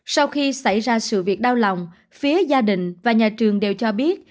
sau khi xảy ra sự việc đau lòng phía gia đình và nhà trường đều cho biết